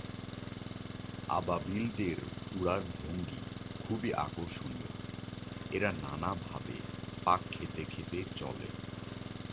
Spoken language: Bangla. আবাবিলদের উড়ার ভঙ্গি খুবই আকর্ষণীয়, এরা নানাভাবে পাক খেতে খেতে চলে।